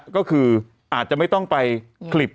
ก็คืออาจจะไม่ต้องไปคลิบ